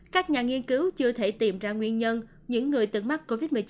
các nhà nghiên cứu chưa thể tìm ra nguyên nhân những người từng mắc covid một mươi chín